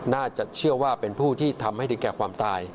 น่าจะเชื่อว่าเป็นผู้ที่ทำให้ถึงแก่ความตาย